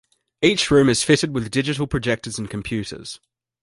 Each room is fitted with digital projectors and computers.